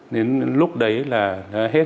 đến lúc đấy là hết